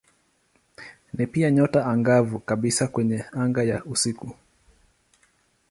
Ni pia nyota angavu kabisa kwenye anga ya usiku.